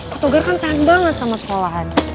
pak togar kan sayang banget sama sekolahan